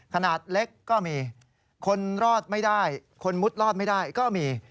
ขนาดเล็กก็มีคนรอดไม่ได้คนมุดรอดไม่ได้ก็มี